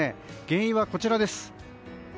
原因はこちらです。